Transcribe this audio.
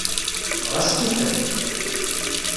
Ɣas fiḥel!